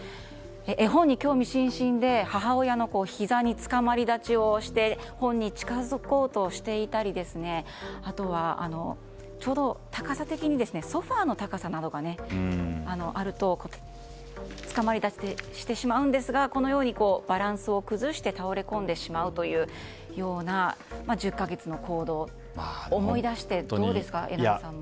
絵本に興味津々で母親のひざにつかまり立ちをして本に近づこうとしていたりあとは、ちょうど高さ的にソファの高さなどがあるとつかまり立ちしてしまうんですがこのようにバランスを崩して倒れこんでしまうというような１０か月の行動を思い出してどうですか、榎並さんも。